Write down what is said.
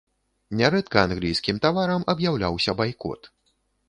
Нярэдка англійскім таварам аб'яўляўся байкот.